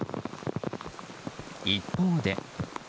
一方で。